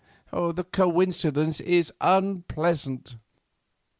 The coincidence is unpleasant."